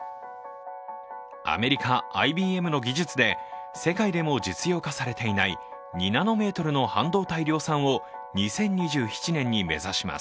アメリカ、ＩＢＭの技術で世界でも実用化されていない２ナノメートルの半導体量産を２０２７年に目指します。